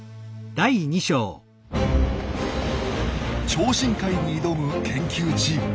超深海に挑む研究チーム。